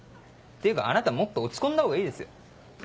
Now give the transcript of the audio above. っていうかあなたもっと落ち込んだほうがいいですよ。